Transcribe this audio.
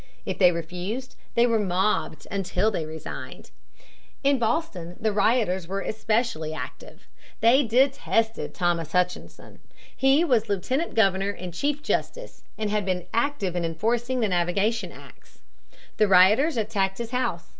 If they refused, they were mobbed until they resigned. In Boston the rioters were especially active. They detested Thomas Hutchinson. He was lieutenant governor and chief justice and had been active in enforcing the navigation acts. The rioters attacked his house.